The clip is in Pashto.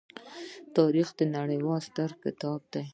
تاریخ د نړۍ ستر کتاب دی.